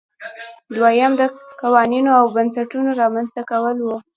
دویم د قوانینو او بنسټونو رامنځته کول وو.